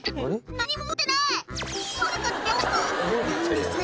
何も持ってない！